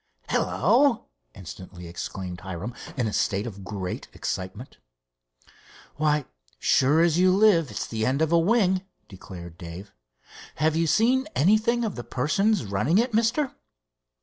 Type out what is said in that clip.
"Hello!" instantly exclaimed Hiram, in a state of great excitement. "Why, sure as you live it's the end of a wing," declared Dave. "Have you seen anything of the persons running it, mister?"